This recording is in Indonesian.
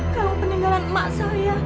kalau peninggalan emak saya